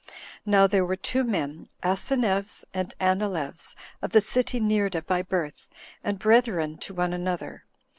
Now there were two men, Asineus and Anileus, of the city Neerda by birth, and brethren to one another.